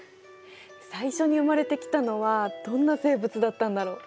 最初に生まれてきたのはどんな生物だったんだろう？